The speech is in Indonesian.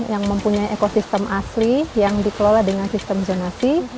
yang mempunyai ekosistem asli yang dikelola dengan sistem zonasi